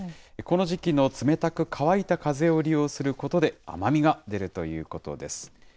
この時期の冷たく乾いた風を利用することで、甘みが出るということです。